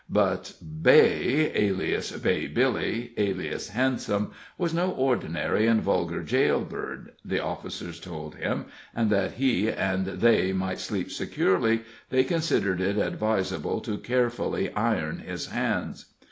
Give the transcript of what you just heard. But Beigh, alias Bay Billy, alias Handsome, was no ordinary and vulgar jail bird, the officers told him, and, that he and they might sleep securely, they considered it advisable to carefully iron his hands.